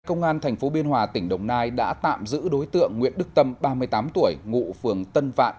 công an tp biên hòa tỉnh đồng nai đã tạm giữ đối tượng nguyễn đức tâm ba mươi tám tuổi ngụ phường tân vạn